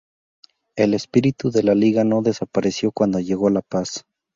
El espíritu de la Liga no desapareció cuando llegó la paz.